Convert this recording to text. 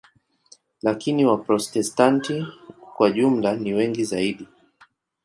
Lakini Waprotestanti kwa jumla ni wengi zaidi.